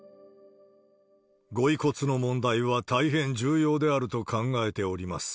ご遺骨の問題は大変重要であると考えております。